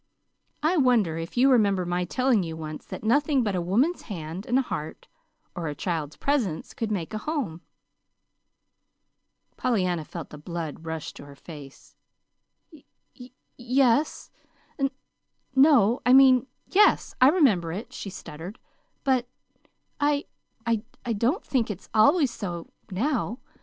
"I wonder if you remember my telling you once that nothing but a woman's hand and heart, or a child's presence could make a home." Pollyanna felt the blood rush to her face. "Y yes, n no I mean, yes, I remember it," she stuttered; "but I I don't think it's always so now.